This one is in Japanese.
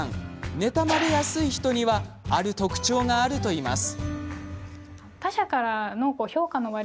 妬まれやすい人にはある特徴があるといいます。